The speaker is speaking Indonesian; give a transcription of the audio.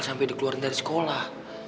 sampai dikeluarin dari sekolah